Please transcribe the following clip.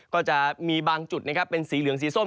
ก็จะมีบางจุดนะครับเป็นสีเหลืองสีส้ม